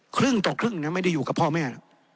ครึ่งตกครึ่งเนี่ยไม่ได้อยู่กับพ่อแม่